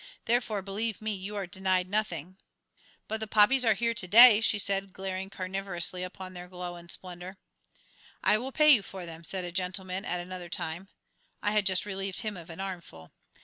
Therefore, believe me, you are denied nothing." "But the poppies are here to day," she said, glaring carnivorously upon their glow and splendour. "I will pay you for them," said a gentleman, at another time. (I had just relieved him of an armful.)